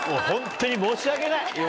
本当に申し訳ない。